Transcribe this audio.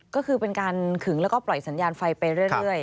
ก็คือเป็นการขึงแล้วก็ปล่อยสัญญาณไฟไปเรื่อย